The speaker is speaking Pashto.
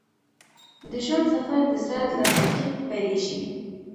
د ژوند سفر د زړه له تعقیب پیلیږي.